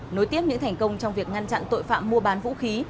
nối tiếp những thành công trong việc ngăn chặn tội phạm mua bán vũ khí